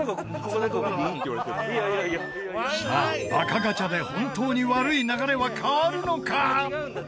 さあバカガチャで本当に悪い流れは変わるのか？